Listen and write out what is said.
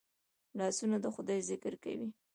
لاسونه د خدای ذکر کوي